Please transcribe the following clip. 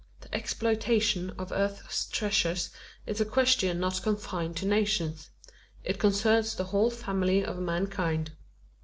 The exploitation of Earth's treasures is a question not confined to nations. It concerns the whole family of mankind.